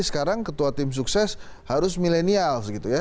sekarang ketua tim sukses harus milenial